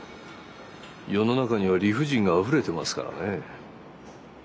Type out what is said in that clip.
世の中には理不尽があふれてますからね。